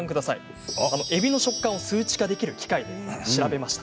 えびの食感を数値化できる機械で調べました。